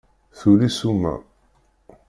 Tuli ssuma.